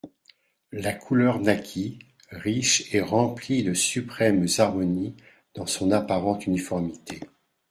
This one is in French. La couleur naquit, riche et remplie de suprêmes harmonies dans son apparente uniformité.